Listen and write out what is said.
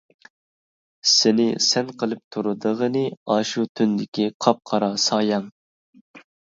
سېنى سەن قىلىپ تۇرىدىغىنى، ئاشۇ تۈندىكى، قاپقارا سايەڭ.